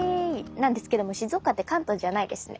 なんですけども静岡って関東じゃないですね。